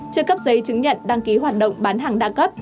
chưa cấp giấy chứng nhận đăng ký hoạt động bán hàng đa cấp